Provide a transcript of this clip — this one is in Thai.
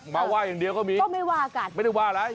มาไหว้อย่างเดียวก็มีก็ไม่ว่ากันไม่ได้ว่าอะไร